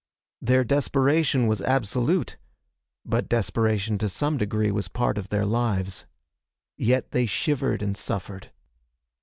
Their desperation was absolute, but desperation to some degree was part of their lives. Yet they shivered and suffered.